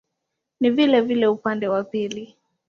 Ni vilevile upande wa pili.